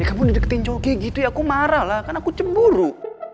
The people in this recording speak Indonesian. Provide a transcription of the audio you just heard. ya kamu dideketin jauh gitu ya aku marah lah kan aku cemburu